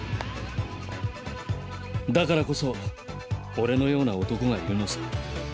だからこそ俺のような男がいるのさ。